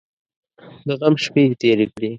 د غم شپې یې تېرې کړې.